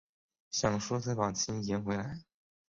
想说再把钱赢回来